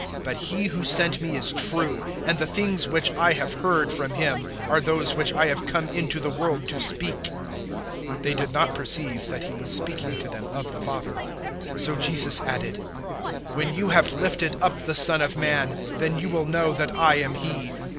But He who sent me is true, and the things which I have heard from Him are those which I have come into the world to speak." 008:027 They did not perceive that He was speaking to them of the Father. 008:028 So Jesus added, "When you have lifted up the Son of Man, then you will know that I am He.